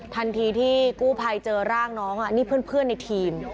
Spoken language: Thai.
ทันทีที่กู้ภัยเจอร่างน้องนี่เพื่อนในทีม